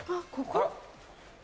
あら。